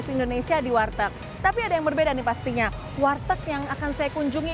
indonesia di warteg tapi ada yang berbeda nih pastinya warteg yang akan saya kunjungi